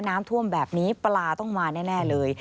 น้ำท่วมแบบนี้ปลาต้องมาแน่เลย